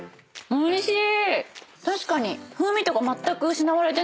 おいしい！